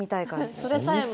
それさえも。